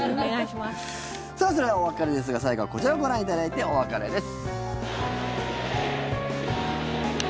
それではお別れですが最後はこちらをご覧いただいてお別れです。